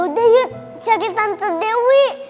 ya udah yuk cari tante dewi